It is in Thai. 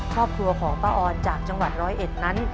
ครอบครัวของป้าออนจากจังหวัดร้อยเอ็ดนั้น